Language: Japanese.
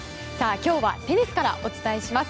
今日はテニスからお伝えします。